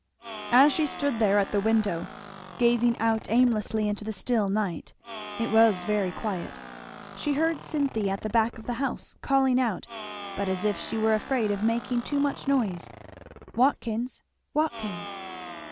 As she stood there at the window, gazing out aimlessly into the still night, it was very quiet, she heard Cynthy at the back of the house calling out, but as if she were afraid of making too much noise, "Watkins! Watkins!"